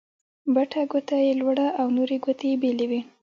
بټه ګوته يي لوړه او نورې ګوتې يې بېلې وې.